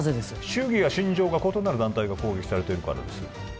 主義や信条が異なる団体が攻撃されているからです